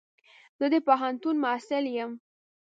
زه د پوهنتون محصل يم.